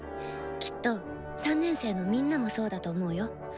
きっと３年生のみんなもそうだと思うよ。